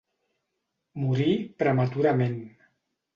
Morí prematurament.